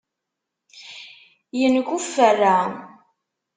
Yenkuffera.